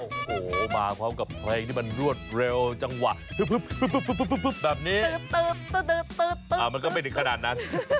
โอ้โหมาพร้อมกับเพลงที่มันรวดเร็วจังหวะแบบนี้มันก็ไม่ถึงขนาดนั้น